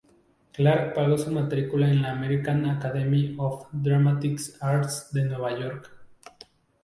Clark pagó su matrícula en la American Academy of Dramatic Arts de Nueva York.